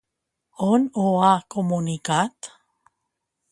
On ho ha comunicat?